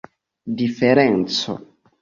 diferenco